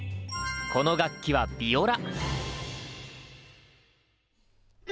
この楽器はヴィオラ！